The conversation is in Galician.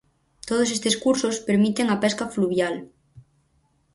Todos estes cursos permiten a pesca fluvial.